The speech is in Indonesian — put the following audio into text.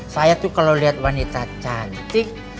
saya tuh kalau lihat wanita cantik